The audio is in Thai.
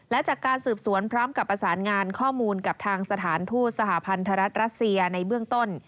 และจากการสืบสวนพร้อมกับประสานงานข้อมูลกับทางสถานทูตสหพันธรัฐรัสเซียในเบื้องต้น